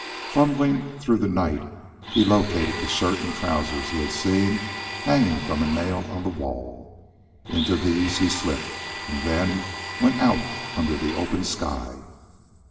Fumbling through the night he located the shirt and trousers he had seen hanging from a nail on the wall. Into these he slipped, and then went out under the open sky.